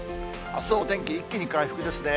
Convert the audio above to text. あすはお天気、一気に回復ですね。